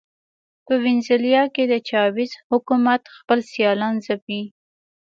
په وینزویلا کې د چاوېز حکومت خپل سیالان ځپي.